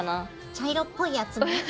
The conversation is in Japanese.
茶色っぽいやつね。